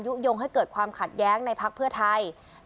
ยุโยงให้เกิดความขัดแย้งในพักเพื่อไทย